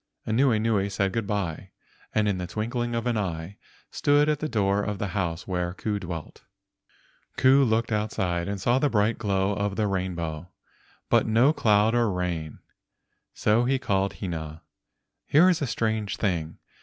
Anuenue said good by, and in the twinkling of an eye stood at the door of the house where Ku dwelt. Ku looked outside and saw the bright glow of the rainbow, but no cloud or rain, so he called Hina. "Here is a strange thing.